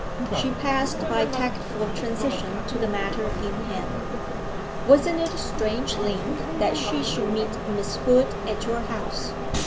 She passed by tactful transition to the matter in hand. 'Wasn't it a strange link that she should meet Miss Hood at your house!